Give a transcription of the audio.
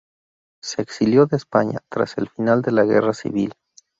Se exilió de España tras el final de la Guerra civil.